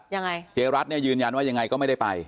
ยังไงเจ๊รัซยื้อนยันว่างัยก็ไม่ได้ไป